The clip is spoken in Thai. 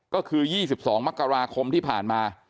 ก็คือ๒๒มกราคมที่ผ่านมา